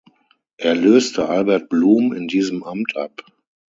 Er löste Albert Blum in diesem Amt ab.